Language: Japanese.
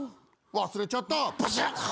忘れちゃった。